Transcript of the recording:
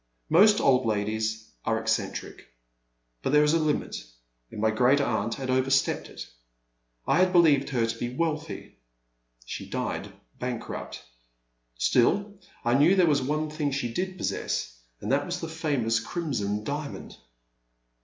Most old ladies are eccentric, but there is a limit, and my great aunt had overstepped it. I had believed her to be wealthy ;— she died bank rupt. Still, I knew there was one thing she did possess, and that was the famous Crimson Diamond.''